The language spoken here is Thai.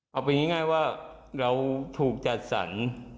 เอาเป็นง่ายว่าเราถูกจัดสรร